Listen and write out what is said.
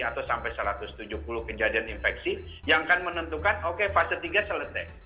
atau sampai satu ratus tujuh puluh kejadian infeksi yang akan menentukan oke fase tiga selesai